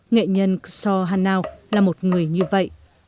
nghệ nhân ksor hanau là một người như vậy